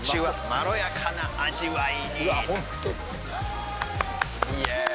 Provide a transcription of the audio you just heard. まろやかな味わいにイエーイ！